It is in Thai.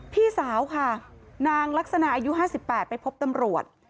พี่สาวค่ะนางลักษณะอายุ๕๘ไปพบตำรวจ